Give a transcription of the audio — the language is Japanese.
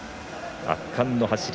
圧巻の走り。